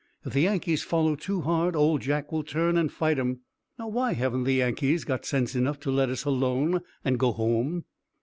If the Yankees follow too hard Old Jack will turn and fight 'em. Now, why haven't the Yankees got sense enough to let us alone and go home?"